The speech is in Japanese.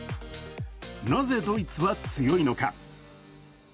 なぜドイツは強いのか。